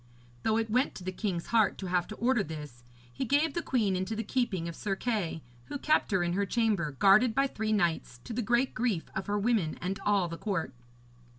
Though it went to the king's heart to have to order this, he gave the queen into the keeping of Sir Kay, who kept her in her chamber, guarded by three knights, to the great grief of her women and all the court.